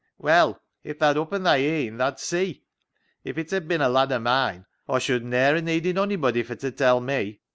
" Well, if tha'd oppen thy een thaa'd see. If it had bin a lad o' mine Aw should ne'er ha' needed onybody fur t' tell me.